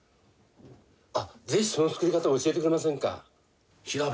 あぜひその作り方教えてくれませんか？